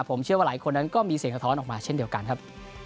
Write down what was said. ผมเชื่อว่าหลายคนนั้นก็มีเสียงสะท้อนออกมาเช่นเดียวกันครับ